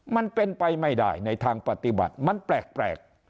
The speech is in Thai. มันเป็นไปไม่ได้ในทางปฏิบัติมันแปลก